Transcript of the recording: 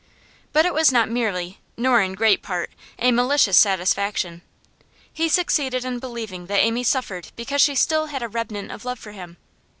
But it was not merely, nor in great part, a malicious satisfaction; he succeeded in believing that Amy suffered because she still had a remnant of love for him.